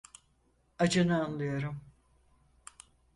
Acını anlıyorum.